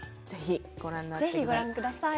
ぜひご覧ください。